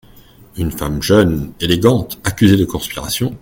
Une femme jeune, élégante, accusée de conspiration…